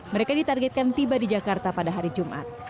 mereka ditargetkan tiba di jakarta pada hari jumat